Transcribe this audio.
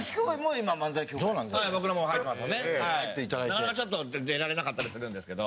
なかなかちょっと出られなかったりするんですけど。